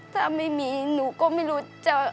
ถ้าไม่มีหนูก็ไม่รู้จะ